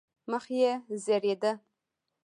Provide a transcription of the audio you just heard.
مخ یې زېړېده.